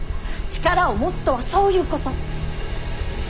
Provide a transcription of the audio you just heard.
力を持つとはそういうこと。